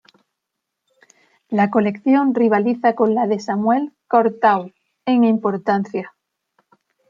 La colección rivaliza con la de Samuel Courtauld en importancia.